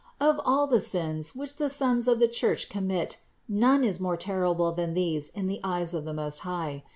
416. Of all the sins, which the sons of the Church commit, none is more horrible than these in the eyes of the Most High.